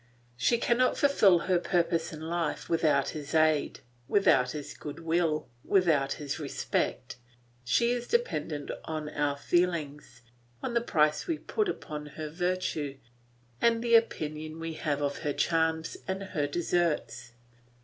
She cannot fulfil her purpose in life without his aid, without his goodwill, without his respect; she is dependent on our feelings, on the price we put upon her virtue, and the opinion we have of her charms and her deserts.